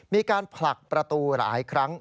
มีการผลักประตูหลายครั้ง